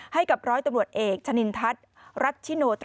ให้กับร้อยตำรวจเอกชะนินทัศน์รัชชิโน